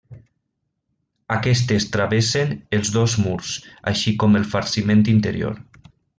Aquestes travessen els dos murs, així com el farciment interior.